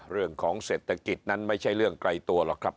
เรื่องของเศรษฐกิจนั้นไม่ใช่เรื่องไกลตัวหรอกครับ